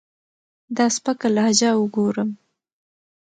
دا سپکه لهجه اوګورم